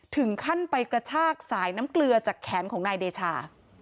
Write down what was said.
ถึงขั้นไปกระชากสายน้ำเกลือจากแขนของนายเดชา